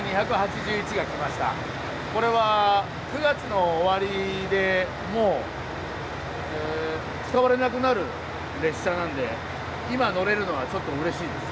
これは９月の終わりでもう使われなくなる列車なんで今乗れるのはちょっとうれしいです。